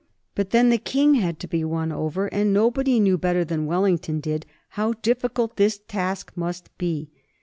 But then the King had to be won over, and nobody knew better than Wellington did how difficult this task must be.